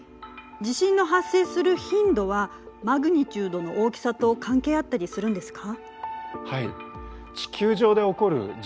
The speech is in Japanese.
地震の発生する頻度はマグニチュードの大きさと関係あったりするんですか？